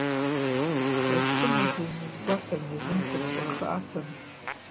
Ҳразҟы мҩаду ззгәаҭам, иазымхәыцуа хы аҭан.